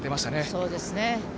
そうですね。